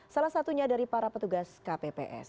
salah satunya dari para petugas kpps